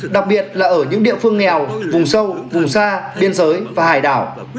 đặc biệt là ở những địa phương nghèo vùng sâu vùng xa biên giới và hải đảo